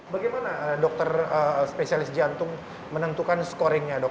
bagaimana dokter spesialis jantung menentukan scoringnya dok